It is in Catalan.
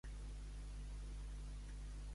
Dir cada mentida que canta un credo.